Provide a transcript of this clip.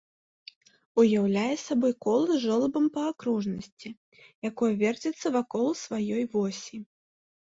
Уяўляе сабой кола з жолабам па акружнасці, якое верціцца вакол сваёй восі.